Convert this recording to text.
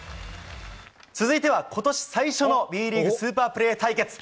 続いては、今年最初のＢリーグスーパープレー対決。